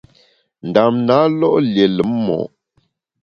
Ndam na lo’ lié lùm mo’.